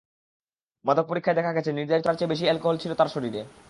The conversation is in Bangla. মাদক পরীক্ষায় দেখা গেছে, নির্ধারিত মাত্রার চেয়ে বেশি অ্যালকোহল ছিল তাঁর শরীরে।